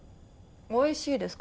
おいしいですか？